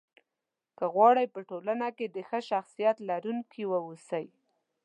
که غواړئ! په ټولنه کې د ښه شخصيت لرونکي واوسی